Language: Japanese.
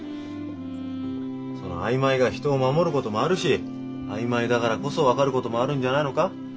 その曖昧が人を守ることもあるし曖昧だからこそ分かることもあるんじゃないのか？